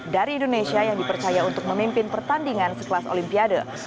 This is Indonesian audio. dari indonesia yang dipercaya untuk memimpin pertandingan sekelas olimpiade